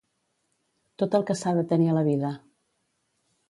Tot el que s'ha de tenir a la vida